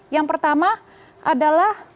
yang pertama adalah